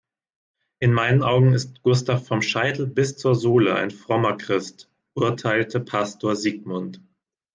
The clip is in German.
"In meinen Augen ist Gustav vom Scheitel bis zur Sohle ein frommer Christ", urteilte Pastor Sigmund.